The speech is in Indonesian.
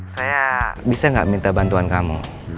saya bisa nggak minta bantuan kamu